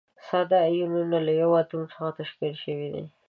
ساده ایونونه له یوه اتوم څخه تشکیل شوي دي.